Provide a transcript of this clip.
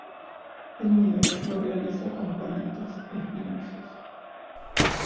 El nido lo realiza con palitos espinosos.